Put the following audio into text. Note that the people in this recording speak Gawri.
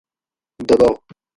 دباؤ